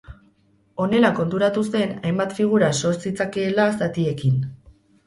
Honela konturatu zen hainbat figura sor zitzakeela zatiekin.